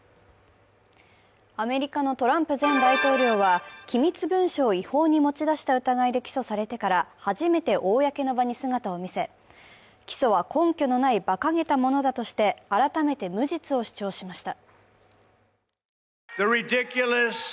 アメリカのトランプ前大統領は、機密文書を違法に持ち出した疑いで起訴されてから初めて公の場に姿を見せ、起訴は根拠のないばかげたものだとして改めて無実を主張しました。